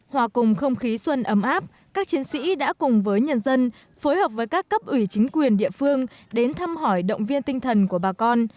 hòa cùng không khí xuân ấm áp các chiến sĩ đã cùng với nhân dân phối hợp với các cấp ủy chính quyền địa phương đến thăm hỏi động viên tinh thần của bà con